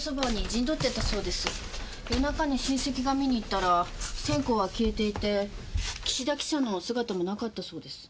夜中に親戚が見に行ったら線香は消えていて岸田記者の姿もなかったそうです。